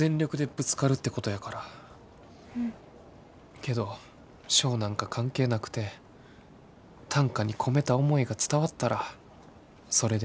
けど賞なんか関係なくて短歌に込めた思いが伝わったらそれでええんやな。